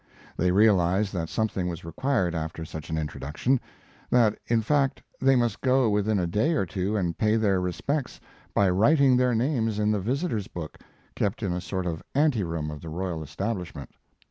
They realized that something was required after such an introduction; that, in fact, they must go within a day or two and pay their respects by writing their names in the visitors' book, kept in a sort of anteroom of the royal establishment.